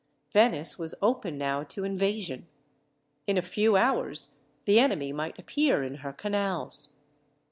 Venice was open now to invasion. In a few hours, the enemy might appear in her canals.